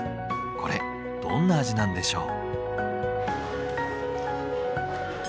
これどんな味なんでしょう？